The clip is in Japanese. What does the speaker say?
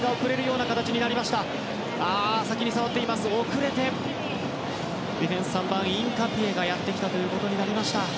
遅れてディフェンス、３番のインカピエがやってきたということになりました。